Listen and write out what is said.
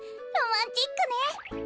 ロマンチックね。